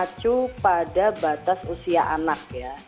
mengacu pada batas usia anak ya